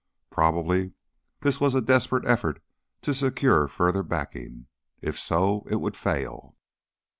Probably this was a desperate effort to secure further backing. If so, it would fail.